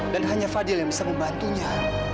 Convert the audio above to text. dan hanya fadil yang bisa membantunya